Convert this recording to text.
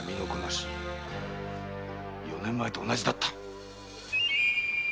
四年前と同じだった！